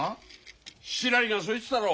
しらりが言ってたろ。